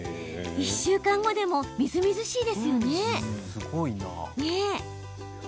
１週間後でもみずみずしいですよね。